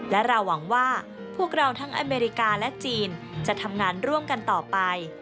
และเราหวังว่าพวกเราทั้งอเมริกาและจีนจะทำงานร่วมกันต่อไป